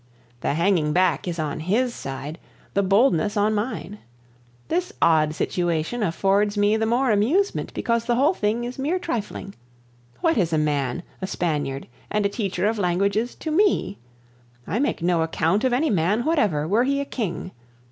The hanging back is on his side, the boldness on mine. This odd situation affords me the more amusement because the whole thing is mere trifling. What is a man, a Spaniard, and a teacher of languages to me? I make no account of any man whatever, were he a king.